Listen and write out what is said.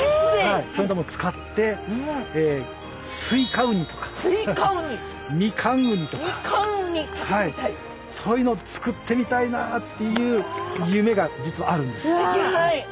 そういったものを使ってスイカウニとかミカンウニとかそういうのを作ってみたいなっていう夢が実はあるんです。